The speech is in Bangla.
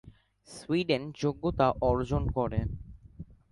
সুইডেন যোগ্যতা অর্জন করে।